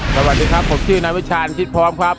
สวัสดีครับผมชื่อนายวิชาณคิดพร้อมครับ